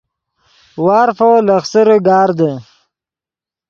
وارفو لخسرے گاردے